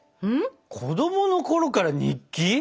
子どものころから日記？